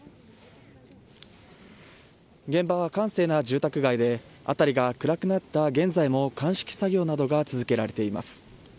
現場は閑静な住宅街で辺りが暗くなった現在も鑑識作業などが続けられています。